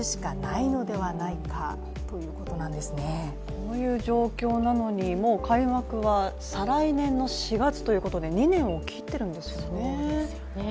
こういう状況なのにもう開幕は再来年の４月ということで２年を切っているんですよね。